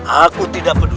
aku tidak peduli